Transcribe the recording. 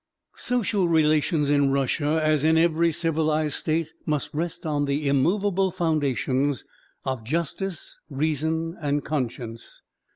Social relations in Russia, as in every civilised state, must rest on the immovable foundations of justice, reason, and conscience.